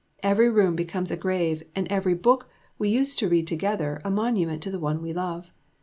Every room becomes a grave, and every book we used to read together a monument to the one we love.